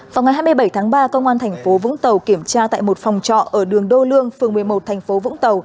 vào ngày hai mươi bảy tháng ba công an tp vũng tàu kiểm tra tại một phòng trọ ở đường đô lương